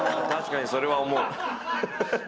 確かにそれは思う。